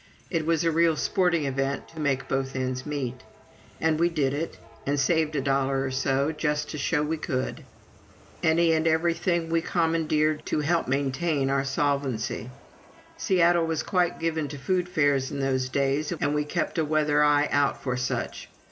It was a real sporting event to make both ends meet! And we did it, and saved a dollar or so, just to show we could. Any and every thing we commandeered to help maintain our solvency. Seattle was quite given to food fairs in those days, and we kept a weather eye out for such.